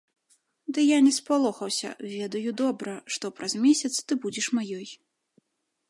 Ды я не спалохаўся, ведаю добра, што праз месяц ты будзеш маёй.